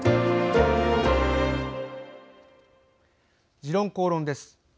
「時論公論」です。